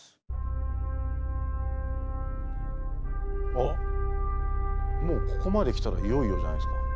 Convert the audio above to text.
あっもうここまで来たらいよいよじゃないですか。